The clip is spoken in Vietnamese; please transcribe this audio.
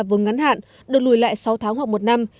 vốn ngắn hạn được lùi lại sáu tháng hoặc một năm